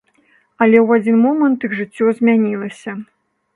Але ў адзін момант іх жыццё змянілася.